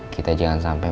kita jangan sampai